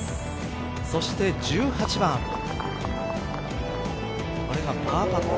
そして１８番これがパーパット。